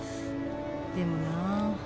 でもなぁ。